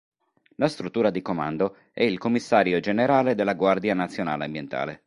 La struttura di comando è il Commissario generale della Guardia nazionale ambientale.